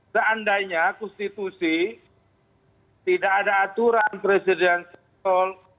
seandainya konstitusi tidak ada aturan presiden cira tesol